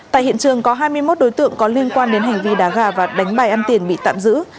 tại hiện trường có hai mươi một đối tượng có liên quan đến hành vi đá gà và đánh bài ăn tiền bị tạm giữ